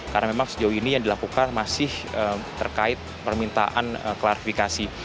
karena memang sejauh ini yang dilakukan masih terkait permintaan klarifikasi